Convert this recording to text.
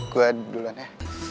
gue duluan ya